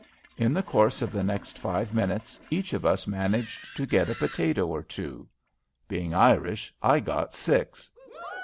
In the course of the next five minutes each of us managed to get a potato or two. Being Irish, I got six.